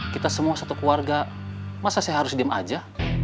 kita semua satu keluarga masa saya harus diem aja